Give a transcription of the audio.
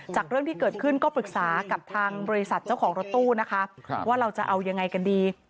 เรื่องที่เกิดขึ้นก็ปรึกษากับทางบริษัทเจ้าของรถตู้นะคะว่าเราจะเอายังไงกันดี